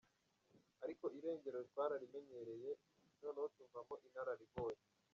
Aliko irengero twararimenyereye noneho tuvamo inararibonye.